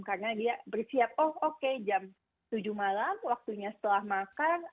karena dia bersiap oh oke jam tujuh malam waktunya setelah makan